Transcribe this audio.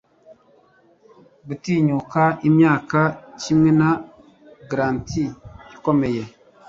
gutinyuka imyaka kimwe na granite ikomeye